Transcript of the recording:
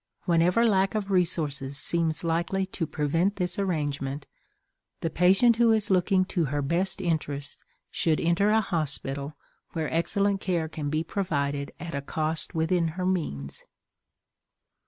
Whenever lack of resources seems likely to prevent this arrangement, the patient who is looking to her best interests should enter a hospital where excellent care can be provided at a cost within her means.